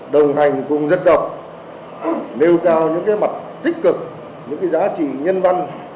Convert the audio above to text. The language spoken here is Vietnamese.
đồng hành cùng dân tộc nêu cao những mặt tích cực những giá trị nhân văn